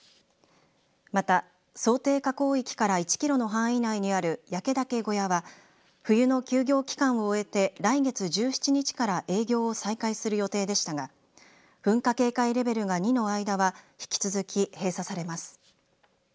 また、想定火口域から１ｋｍの範囲内にある焼岳小屋は冬の休業期間を終えて来月１７日から営業を再開する予定でしたが噴火警戒レベルが２の間は引き続き閉鎖されます。